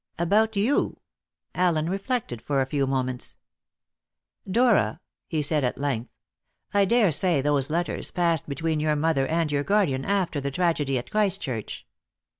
"About you?" Allen reflected for a few moments. "Dora," he said at length, "I dare say those letters passed between your mother and your guardian after the tragedy at Christchurch.